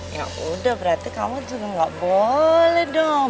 ya udah berarti kamu juga nggak boleh dong